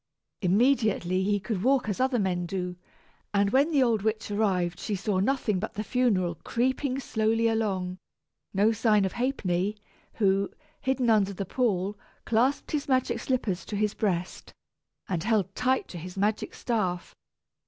Immediately he could walk as other men do, and when the old witch arrived she saw nothing but the funeral creeping slowly along no sign of Ha'penny, who, hidden under the pall, clasped his magic slippers to his breast, and held tight to his magic staff.